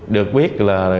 được biết là